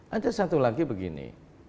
ada satu lagi begini